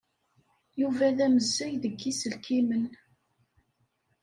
Yuba d amazzay deg yiselkimen.